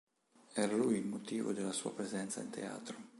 Era lui il motivo della sua presenza in teatro.